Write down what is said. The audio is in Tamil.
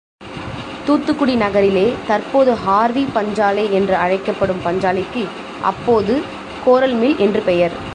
தூத்துக்குடி நகரிலே தற்போது ஹார்வி பஞ்சாலை என்று அழைக்கப்படும் பஞ்சாலைக்கு அப்போது கோரல்மில் என்று பெயர்.